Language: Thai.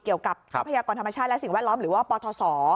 ทรัพยากรธรรมชาติและสิ่งแวดล้อมหรือว่าปทศ